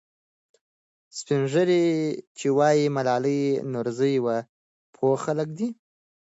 سپین ږیري چې وایي ملالۍ نورزۍ وه، پوه خلک دي.